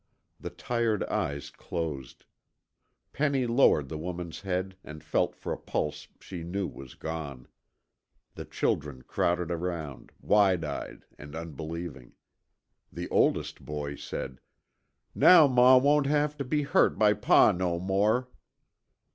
The tired eyes closed. Penny lowered the woman's head and felt for a pulse she knew was gone. The children crowded around, wide eyed and unbelieving. The oldest boy said: "Now Maw won't have tuh be hurt by Pa no more."